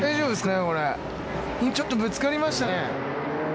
今ちょっとぶつかりましたね。